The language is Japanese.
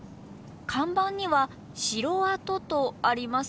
看板には城跡とありますが。